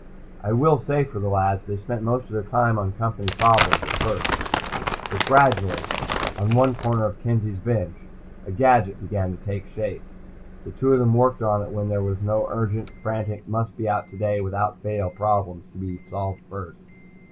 I will say for the lads, they spent most of their time on Company problems, at first. But gradually, on one corner of Kenzie's bench, a gadget began to take shape. The two of them worked on it when there were no urgent, frantic, must be out today without fail problems to be solved first.